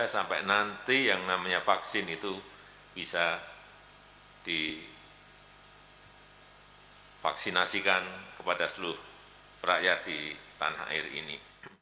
sampai nanti yang namanya vaksin itu bisa divaksinasikan kepada seluruh rakyat di tanah air ini